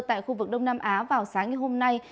tại khu vực đông nam á vào sáng ngày hôm nay